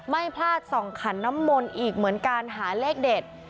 ไม่พลาดส่องขันน้ำมนต์อีกเหมือนการหาเลขเด็ด